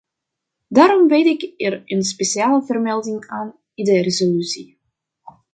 Daarom wijd ik er een speciale vermelding aan in de resolutie.